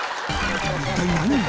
一体何が！？